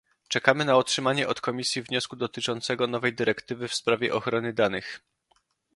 Czekamy na otrzymanie od Komisji wniosku dotyczącego nowej dyrektywy w sprawie ochrony danych